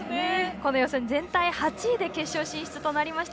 この予選全体８位で決勝進出となりました。